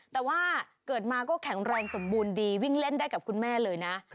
แต่ว่าเกิดมาก็แข็งแรงสมบูรณ์ดีวิ่งเล่นได้กับคุณแม่เลยนะ